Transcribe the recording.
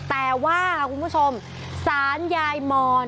แต่ว่าคุณผู้ชมศาลยายมอน